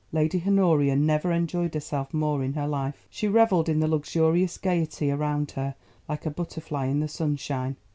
Lady Honoria never enjoyed herself more in her life. She revelled in the luxurious gaiety around her like a butterfly in the sunshine.